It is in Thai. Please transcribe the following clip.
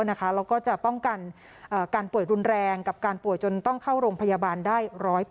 แล้วก็จะป้องกันการป่วยรุนแรงกับการป่วยจนต้องเข้าโรงพยาบาลได้๑๐๐